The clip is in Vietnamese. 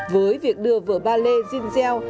với việc đưa vở ballet jean shell